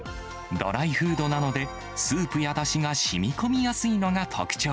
ドライフードなので、スープやだしがしみこみやすいのが特徴。